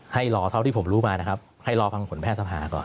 ให้รอเท่าที่ผมรู้มานะครับให้รอฟังผลแพทย์สภาก่อน